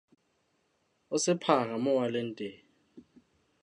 O sephara moo a leng teng.